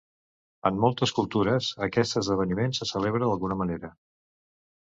En moltes cultures, aquest esdeveniment se celebra d'alguna manera.